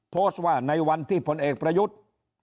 โพสต์ว่าในวันที่พลเอกประยุทธ์